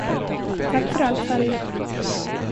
Tack för allt, Harry.